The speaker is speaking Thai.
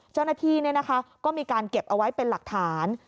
เจ้าหน้าที่ก็มีการเก็บเอาไว้เป็นหลักฐาน